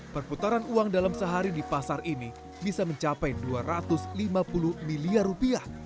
perputaran uang dalam sehari di pasar ini bisa mencapai dua ratus lima puluh miliar rupiah